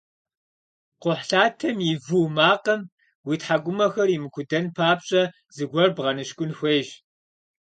Кхъухьлъатэм и вуу макъым уи тхьэкӏумэхэр имыкудэн папщӏэ зыгуэр бгъэныщкӏун хуейщ.